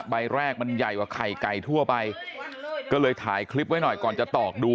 ใบแรกมันใหญ่กว่าไข่ไก่ทั่วไปก็เลยถ่ายคลิปไว้หน่อยก่อนจะตอกดู